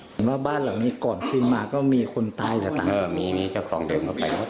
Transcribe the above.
เห็นว่าบ้านหลังนี้ก่อนชินมาก็มีคนตายต่างต่างอืมมีมีเจ้าของเดิมก็ไปหมด